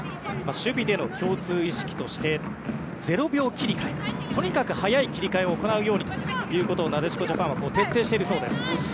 守備での共通意識として０秒切り替えとにかく早い切り替えを行うようにということをなでしこジャパンは徹底しているそうです。